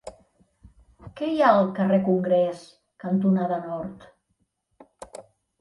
Què hi ha al carrer Congrés cantonada Nord?